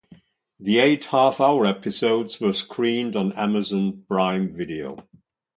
The eight half hour episodes were screened on Amazon Prime Video.